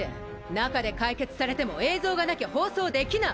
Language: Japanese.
中で解決されても映像がなきゃ放送できない！